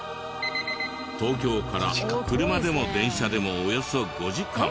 東京から車でも電車でもおよそ５時間。